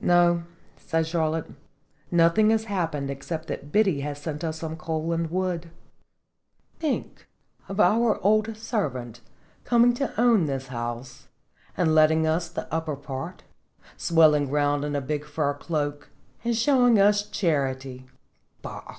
"No," said Charlotte, "nothing has hap pened except that Biddy has sent us some coal and wood." " Think of our old servant coming to own this house, and letting us the upper part swelling round in a big fur cloak, and showing us charity! Bah!"